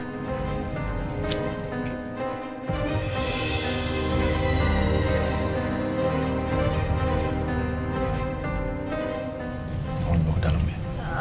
tolong dibawa ke dalam ya